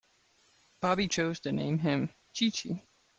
Bobbi chose to name him "Chi-Chi".